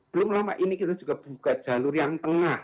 belum lama ini kita juga buka jalur yang tengah